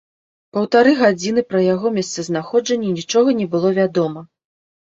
Паўтары гадзіны пра яго месцазнаходжанне нічога не было вядома.